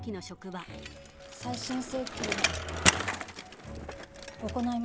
再審請求は行いません。